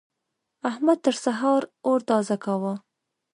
احمد تر سهار اور تازه کاوو.